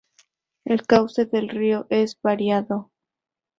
El cauce del río es variado.